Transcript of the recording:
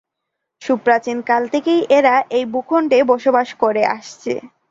সুপ্রাচীন কাল থেকেই এরা এই ভূখন্ডে বসবাস করে আসছে।